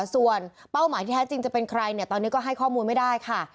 ส่วนเป้าหมายที่แท้จริงจะเป็นใครตอนนี้ก็ให้ข้อมูลไม่ได้ค่ะ